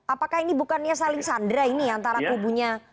apakah ini bukannya saling sandra ini antara kubunya